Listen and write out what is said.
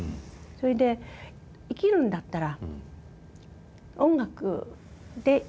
それで生きるんだったら音楽で生きたい」って。